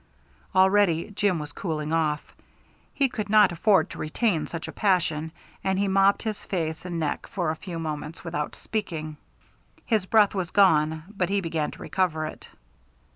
Already Jim was cooling off. He could not afford to retain such a passion, and he mopped his face and neck for a few moments without speaking. His breath was gone, but he began to recover it.